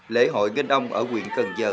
lễ hội ngân ông ở quyền cần giờ